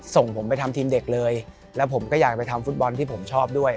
ส่งผมไปทำทีมเด็กเลยแล้วผมก็อยากไปทำฟุตบอลที่ผมชอบด้วย